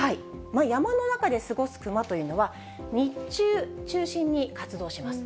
山の中で過ごすクマというのは、日中中心に活動します。